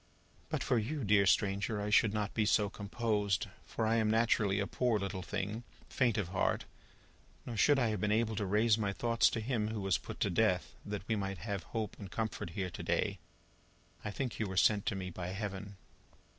"But for you, dear stranger, I should not be so composed, for I am naturally a poor little thing, faint of heart; nor should I have been able to raise my thoughts to Him who was put to death, that we might have hope and comfort here to day. I think you were sent to me by Heaven."